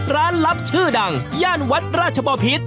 ลับชื่อดังย่านวัดราชบอพิษ